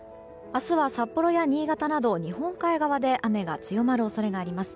明日は札幌や新潟など日本海側で雨が強まる恐れがあります。